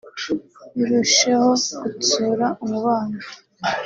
birusheho gutsura umubano